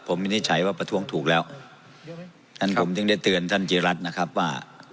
ผมวินิจฉัยว่าประท้วงถูกแล้วท่านผมถึงได้เตือนท่านจิรัตน์นะครับว่า